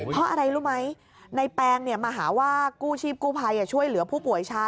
เพราะอะไรรู้ไหมในแปงมาหาว่ากู้ชีพกู้ภัยช่วยเหลือผู้ป่วยช้า